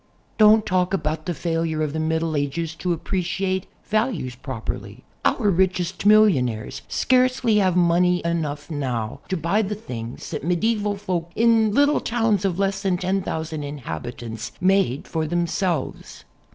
Don't talk about the failure of the Middle Ages to ap preciate values properly. Our richest millionaires scarcely have money enough now to buy the things that medieval folk in little towns of less than 10,000 inhabitants made for themselves.